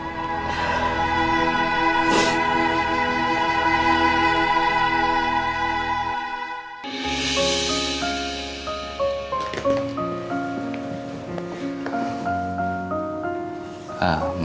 sama seperti waktu adikny exploring